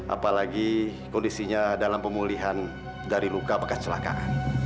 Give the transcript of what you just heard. apalagi kondisinya dalam pemulihan dari luka bekas celakaan